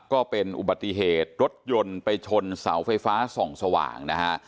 ก็เป็นอุบัติเหตุรถยนต์ไปชนเสาไฟฟ้าส่องสว่างนะฮะ